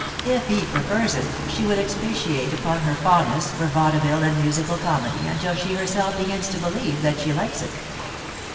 If he prefers it, she will expatiate upon her fondness for vaudeville and musical comedy until she herself begins to believe that she likes it.